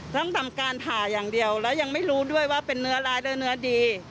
ต้องทำการผ่าอย่างเดียวแล้วยังไม่รู้ด้วยว่าเป็นเนื้อร้ายและเนื้อดี